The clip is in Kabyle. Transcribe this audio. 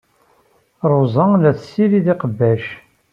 Ṛuza la tessirid iqbac.